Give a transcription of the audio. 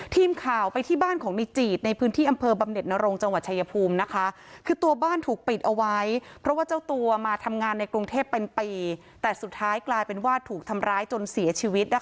ทีมข่าวไปที่บ้านของในจีดในพื้นที่อำเภอบำเน็ตนรงจังหวัดชายภูมินะคะคือตัวบ้านถูกปิดเอาไว้เพราะว่าเจ้าตัวมาทำงานในกรุงเทพเป็นปีแต่สุดท้ายกลายเป็นว่าถูกทำร้ายจนเสียชีวิตนะคะ